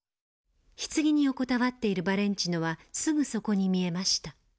柩に横たわっているバレンチノはすぐそこに見えました。